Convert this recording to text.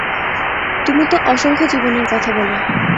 তুমি তো অসংখ্য জীবনের কথা বল।